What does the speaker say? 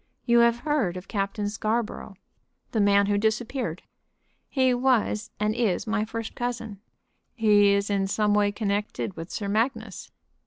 You have heard of Captain Scarborough?" "The man who disappeared?" "He was and is my first cousin." "He is in some way connected with Sir Magnus."